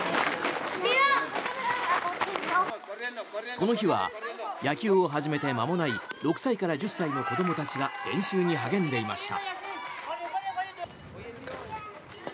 この日は野球を始めてまもない６歳から１０歳の子どもたちが練習に励んでいました。